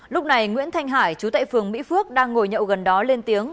lúc này nguyễn thanh hải chú tại phường mỹ phước đang ngồi nhậu gần đó lên tiếng